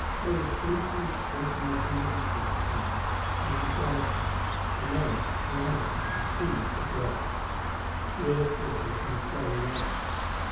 There were fleeting alternating intervals, now, when it was darker, and then lighter with a tinge of red. The Earth's rotation was slowing down.